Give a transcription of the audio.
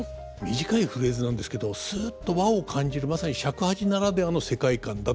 短いフレーズなんですけどすっと和を感じるまさに尺八ならではの世界観だと思いますね。